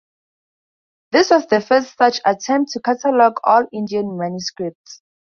This was the first such attempt to catalogue all Indian manuscripts.